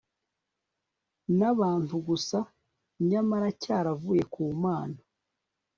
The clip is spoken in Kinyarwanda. nabantu gusa nyamara cyaravuye ku Mana